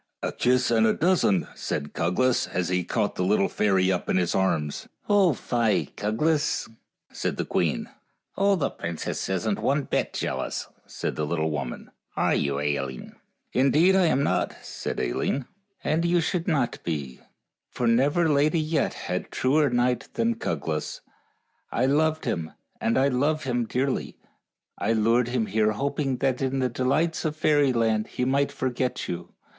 " A kiss and a dozen," said Cuglas, as he caught the little fairy up in his arms. " Oh, fie, Cuglas," said the queen. " Oh, the princess isn't one bit jealous," said the little woman. " Are you, Ailinn? "" Indeed I am not," said Ailinn. THE ENCHANTED CAVE 75 " And you should not be," said the fairy queen, " for never lady yet had truer knight than Cug las. I loved him, and I love him dearly. I lured him here hoping that in the delights of fairyland he might forget you.